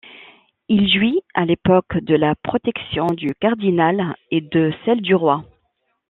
Il jouit à l'époque de la protection du cardinal et de celle du roi.